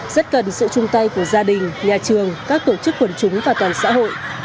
rất cần sự chung tay của gia đình nhà trường các tổ chức quần chúng và toàn xã hội